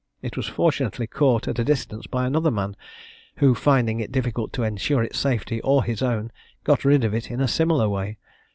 It was fortunately caught at a distance by another man, who, finding it difficult to ensure its safety or his own, got rid of it in a similar way.